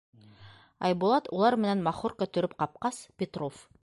Айбулат улар менән махорка төрөп ҡапҡас, Петров: